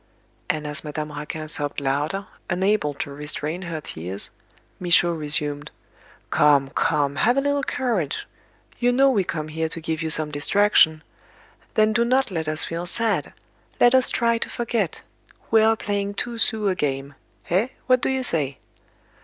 And as Madame Raquin sobbed louder, unable to restrain her tears, Michaud resumed: "Come, come, have a little courage. You know we come here to give you some distraction. Then do not let us feel sad. Let us try to forget. We are playing two sous a game. Eh! What do you say?"